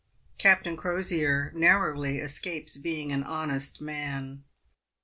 CAPTAIN CROSIER NARROWLY ESCAPES BEING AN HONEST MAN.